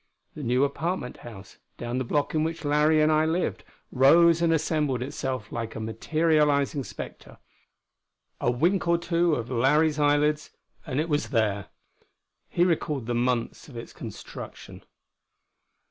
The new apartment house, down the block in which Larry and I lived, rose and assembled itself like a materializing spectre. A wink or two of Larry's eyelids and it was there. He recalled the months of its construction.